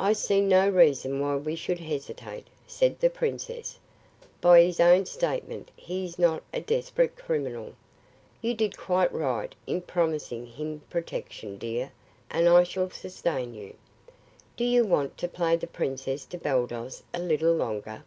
"I see no reason why we should hesitate," said the princess. "By his own statement, he is not a desperate criminal. You did quite right in promising him protection, dear, and I shall sustain you. Do you want to play the princess to Baldos a little longer?"